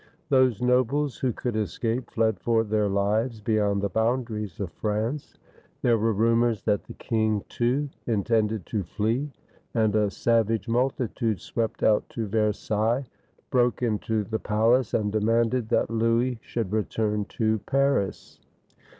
Those nobles who could escape fled for their lives beyond the boundaries of France. There were rumors that the king, too, intended to flee, and a savage multitude swept out to Versailles, broke into the palace, and demanded that Louis should return to Paris.